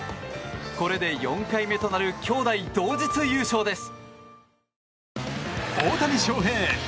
これで４回目となる兄妹同日優勝です。